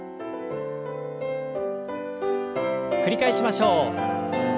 繰り返しましょう。